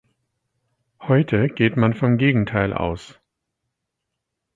Heute geht man vom Gegenteil aus.